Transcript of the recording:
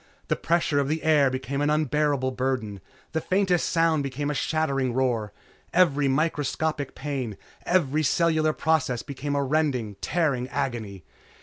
The pressure of the air became an unbearable burden, the faintest sound became a shattering roar. Every microscopic pain, every cellular process became a rending, tearing agony.